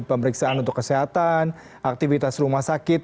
pemeriksaan untuk kesehatan aktivitas rumah sakit